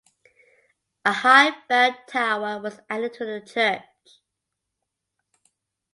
A high bell tower was added to the church.